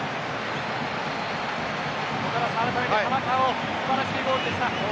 岡田さん、改めて田中碧素晴らしいゴールでした。